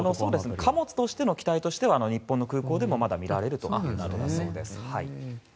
貨物としての機体は日本の空港でまだ見られるということです。